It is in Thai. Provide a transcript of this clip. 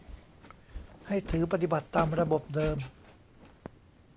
ให้ถือปฏิบัติตามระบบเดิม